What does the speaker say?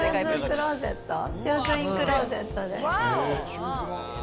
シューズインクローゼットです。